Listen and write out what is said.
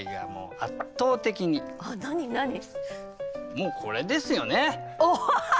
もうこれですよね。